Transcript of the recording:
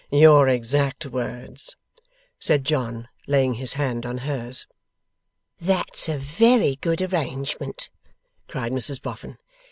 'Your exact words,' said John, laying his hand on hers. 'That's a very good arrangement,' cried Mrs Boffin.